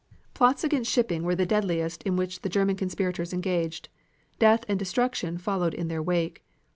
Plots against shipping were the deadliest in which the German conspirators engaged. Death and destruction followed in their wake.